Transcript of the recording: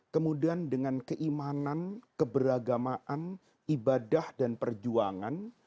kemudian dengan keimanan keberagamaan ibadah dan perjuangan